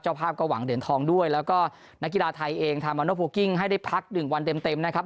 เจ้าภาพก็หวังเด่นทองด้วยแล้วก็นักกีฬาไทยเองทำให้ได้พักหนึ่งวันเต็มนะครับ